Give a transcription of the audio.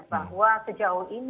bahwa sejauh ini